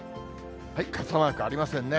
傘マークありませんね。